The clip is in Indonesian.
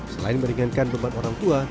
selain meringankan beban orang tua